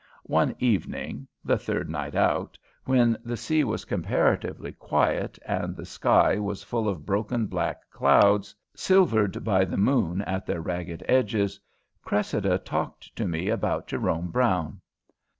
One evening, the third night out, when the sea was comparatively quiet and the sky was full of broken black clouds, silvered by the moon at their ragged edges, Cressida talked to me about Jerome Brown.